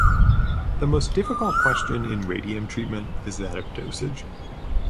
The most difficult question in radium treatment is that of dosage.